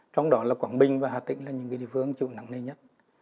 trong đó là quảng bình và hà tĩnh là những địa phương chịu nắng nề nhất